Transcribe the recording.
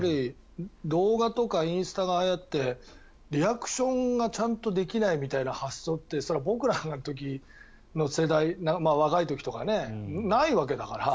動画とかインスタがはやってリアクションがちゃんとできないみたいな発想ってそれは僕らの時の世代若い時とか、ないわけだから。